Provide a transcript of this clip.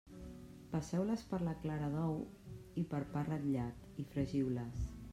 Passeu-les per la clara d'ou i per pa ratllat i fregiu-les.